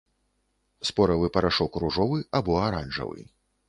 Споравы парашок ружовы або аранжавы.